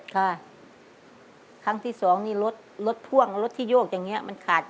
ข้างที่สองรถท่วงทรกที่โยกอย่างเนี่ยมันขาดขึ้นเลยค่ะขนติน